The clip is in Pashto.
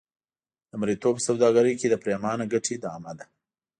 د مریتوب په سوداګرۍ کې د پرېمانه ګټې له امله.